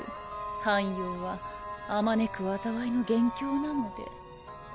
半妖はあまねく災いの元凶なので。